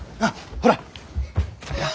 ほら！